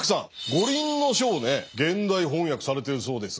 「五輪書」をね現代翻訳されてるそうですが。